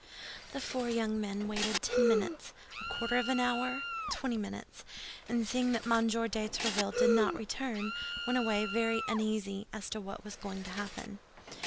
The four young men waited ten minutes, a quarter of an hour, twenty minutes; and seeing that M. de Tréville did not return, went away very uneasy as to what was going to happen.